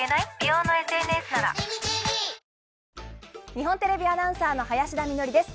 日本テレビアナウンサーの林田美学です。